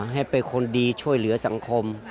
ให้เป็นคนดีช่วยเหลือสังคม